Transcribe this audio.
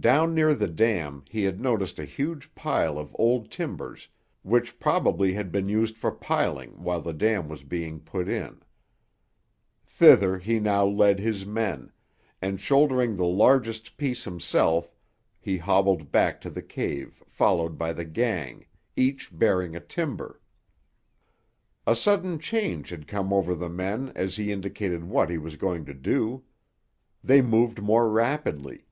Down near the dam he had noticed a huge pile of old timbers which probably had been used for piling while the dam was being put in. Thither he now led his men, and shouldering the largest piece himself he hobbled back to the cave followed by the gang, each bearing a timber. A sudden change had come over the men as he indicated what he was going to do. They moved more rapidly.